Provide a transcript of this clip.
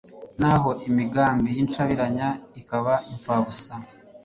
naho imigambi y'incabiranya ikaba impfabusa